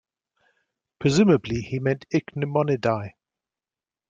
Presumably he meant Ichneumonidae.